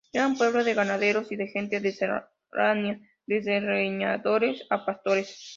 Era un pueblo de ganaderos y de gentes de serranía, desde leñadores a pastores.